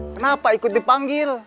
kenapa ikut dipanggil